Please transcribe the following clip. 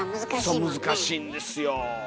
そう難しいんですよ。